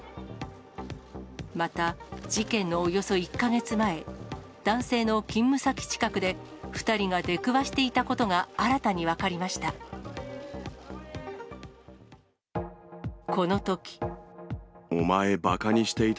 また、事件のおよそ１か月前、男性の勤務先近くで、２人が出くわしていたことが新たに分かりました。